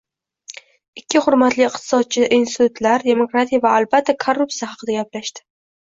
Ikki hurmatli iqtisodchi institutlar, demokratiya va, albatta, korruptsiya haqida gaplashdi